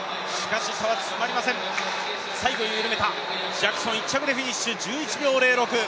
ジャクソン、１着でフィニッシュ、１１秒０６。